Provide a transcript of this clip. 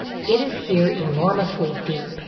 . It is here enormously deep.